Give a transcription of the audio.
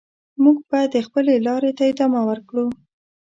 موږ به د خپلې لارې ته ادامه ورکړو.